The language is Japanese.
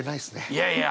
いやいや。